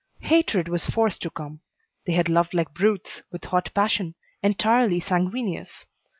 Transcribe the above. Hatred was forced to come. They had loved like brutes, with hot passion, entirely sanguineous.